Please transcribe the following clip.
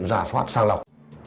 giả soát sang lọc